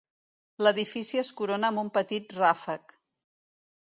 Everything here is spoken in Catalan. L'edifici es corona amb un petit ràfec.